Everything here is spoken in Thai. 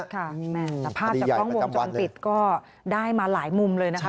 แต่ภาพจากกล้องวงจรปิดก็ได้มาหลายมุมเลยนะคะ